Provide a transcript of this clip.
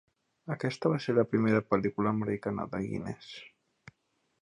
Aquesta va ser la primera pel·lícula americana de Guinness.